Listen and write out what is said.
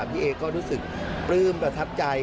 พี่เอก็รู้สึกปลื้มประทับใจ